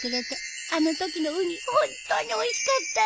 あのときのウニホントにおいしかったよ！